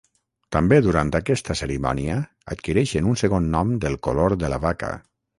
També durant aquesta cerimònia adquireixen un segon nom del color de la vaca.